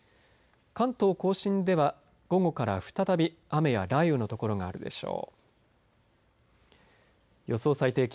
関東甲信では、午後から再び雨や雷雨の所があるでしょう。